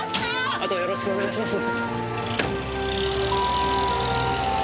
あとはよろしくお願いします。